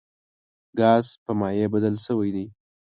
ګاز په مایع بدل شوی دی.